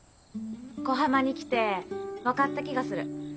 小浜に来て分かった気がする。